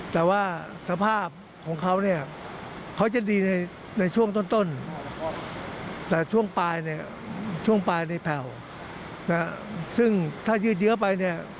แต่ช่วงปลายในแผ่วซึ่งถ้ายืดเยอะไป